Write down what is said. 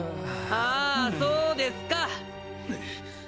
あーそうですかっ！